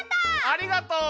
ありがとう！